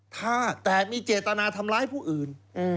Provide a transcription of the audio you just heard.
ถ้าแต่มีเจตนาทำร้ายผู้อื่น